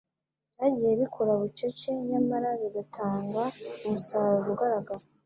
byagiye bikora bucece nyamara bigatanga umusaruro ugaragara